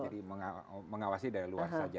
jadi mengawasi dari luar saja